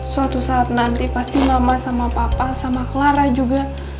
suatu saat nanti pasti mama sama papa sama clara juga